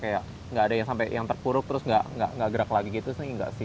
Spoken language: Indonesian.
kayak nggak ada yang sampai yang terpuruk terus nggak gerak lagi gitu sih enggak sih